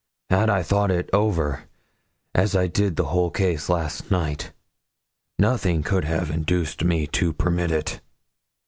Had I thought it over, as I did the whole case last night, nothing could have induced me to permit it.